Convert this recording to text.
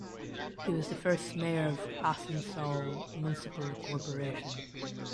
He was the first Mayor of Asansol Municipal Corporation.